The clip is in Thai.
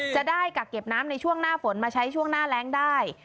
กักเก็บน้ำในช่วงหน้าฝนมาใช้ช่วงหน้าแรงได้